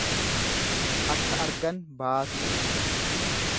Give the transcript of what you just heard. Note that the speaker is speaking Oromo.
Akka argan baasuu ibsa.